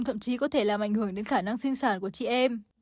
thậm chí có thể làm ảnh hưởng đến khả năng sinh sản của chị em